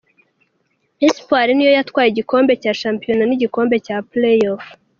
Espoir niyo yatwaye igikombe cya shampiyona n’igikombe cya Play offs.